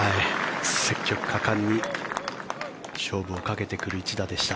積極果敢に勝負をかけてくる一打でした。